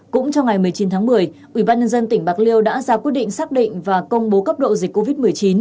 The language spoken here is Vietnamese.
cũng trong ngày một mươi chín tháng một mươi ubnd tỉnh bạc liêu đã ra quyết định xác định và công bố cấp độ dịch covid một mươi chín